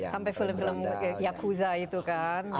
sampai film film yakuza itu kan